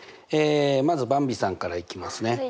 まずばんびさんからいきますね。